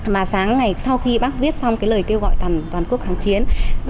mà sáng ngày sau khi bác viết xong cái lời kêu gọi toàn quốc kháng chiến